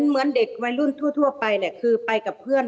เหมือนเด็กวัยรุ่นทั่วไปเนี่ยคือไปกับเพื่อน